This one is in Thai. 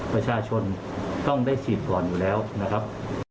ประชาชนต้องได้ฉีดก่อนอยู่แล้วนะครับ